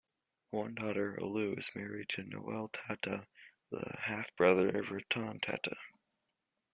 One daughter, Aloo, is married to Noel Tata, the half-brother of Ratan Tata.